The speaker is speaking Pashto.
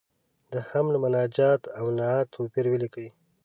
د حمد، مناجات او نعت توپیر ولیکئ.